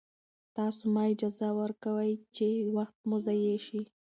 تاسو مه اجازه ورکوئ چې وخت مو ضایع شي.